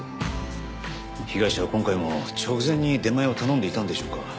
被害者は今回も直前に出前を頼んでいたんでしょうか？